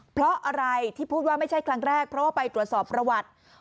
เพราะอะไรที่พูดว่าไม่ใช่ครั้งแรกเพราะว่าไปตรวจสอบประวัติ